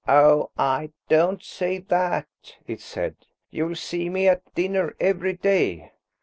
"Oh, I don't say that," it said. "You'll see me at dinner every day."